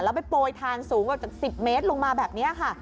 เราไปโปรยธานสูงกว่าจน๑๐เมตรลงมาแบบนี้